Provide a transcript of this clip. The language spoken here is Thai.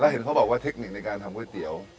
เห็นเขาบอกว่าเทคนิคในการทำก๋วยเตี๋ยว